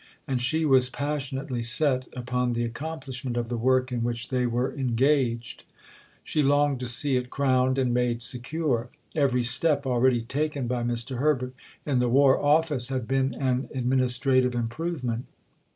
And she was passionately set upon the accomplishment of the work in which they were engaged; she longed to see it crowned and made secure. Every step already taken by Mr. Herbert in the War Office had been an administrative improvement.